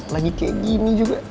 lagi kayak gini juga